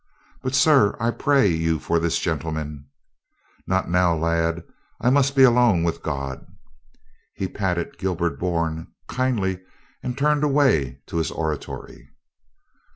"But, sir, I pray you for this gentleman —" "Not now, lad. I must be alone with God." He patted Gilbert Bourne kindly and turned away to his oratory.